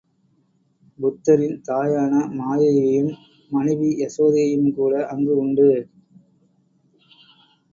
புத்தரின் தாயான மாயையும், மனைவி யசோதையும் கூட அங்கு உண்டு.